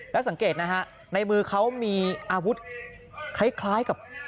แล้วสังเกตนะฮะในมือเขามีอาวุธคล้ายกับ